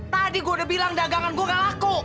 tadi gue udah bilang dagangan gue gak laku